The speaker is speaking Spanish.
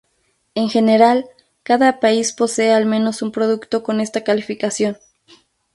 En general, cada país posee al menos un producto con esta calificación.